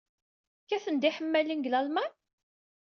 Kkaten-d yiḥemmalen deg Lalman?